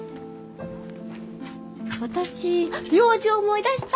私用事思い出した！